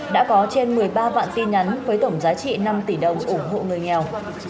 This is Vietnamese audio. đã có trên một mươi ba vạn tin nhắn với tổng giá trị năm tỷ đồng ủng hộ người nghèo